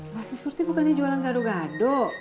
nasi surti bukannya jualan gado gado